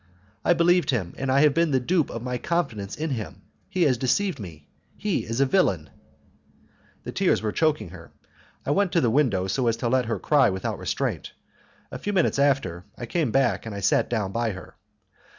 I believed him, and I have been the dupe of my confidence in him; he has deceived me; he is a villain." The tears were choking her: I went to the window so as to let her cry without restraint: a few minutes after, I came back and I sat down by her.